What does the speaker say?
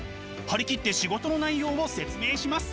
張り切って仕事の内容を説明します。